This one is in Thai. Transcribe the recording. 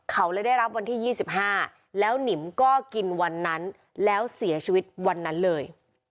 เขาเลยได้รับวันที่๒๕แล้วหนิมก็กินวันนั้นแล้วเสียชีวิตวันนั้นเลย